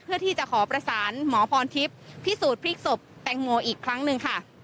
เพื่อที่จะขอประสานหมอพรทิพย์พิสูจนพลิกศพแตงโมอีกครั้งหนึ่งค่ะ